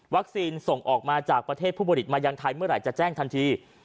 ส่งออกมาจากประเทศผู้ผลิตมายังไทยเมื่อไหร่จะแจ้งทันที